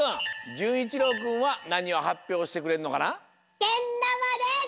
じゅんいちろうくんはなにをはっぴょうしてくれるのかな？